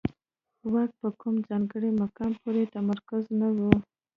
واک په کوم ځانګړي مقام پورې متمرکز نه و.